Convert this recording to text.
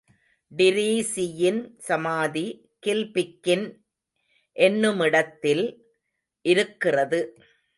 டிரீஸியின் சமாதி கில்பிக்கின் என்னுமிடத்தில் இருக்கிறது.